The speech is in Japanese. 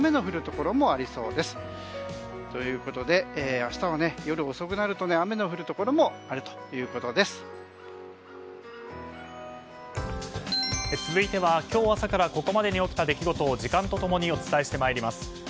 明日は夜遅くなると雨の多いところも続いては今日朝からここまでに起きた出来事を時間と共にお伝えしてまいります。